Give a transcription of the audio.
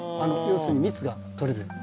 要するに蜜が取れてる。